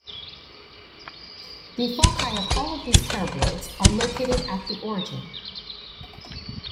The foci of all these paraboloids are located at the origin.